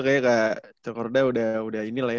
kayaknya kak cekorda udah ini lah ya